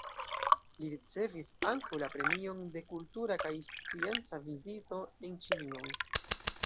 Li ricevis ankaŭ la Premion de Kultura kaj Scienca Vizito en Ĉinion.